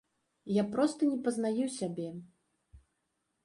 Я проста не пазнаю сябе.